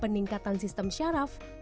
peningkatan sistem syaraf